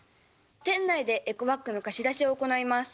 店内でエコバッグの貸出を行います。